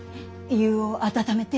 湯を温めて。